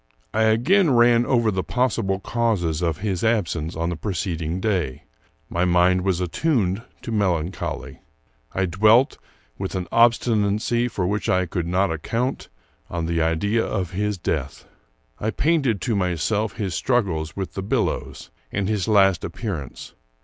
I again ran over the possible causes of his absence on the preceding day. My mind was attuned to melancholy. I dwelt, with an obstinacy for which I could not account, on the idea of his death. I painted to myself his struggles with the billows, and his last appearance.